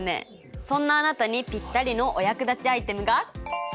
そんなあなたにぴったりのお役立ちアイテムがこちら！